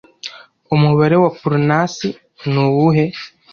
Umubare wa puranasi ni uwuhe